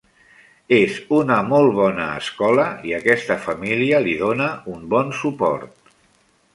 És una molt bona escola, i aquesta família li dóna un bon suport.